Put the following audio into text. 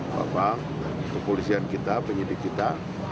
bapak kepolisian kita penyidik kita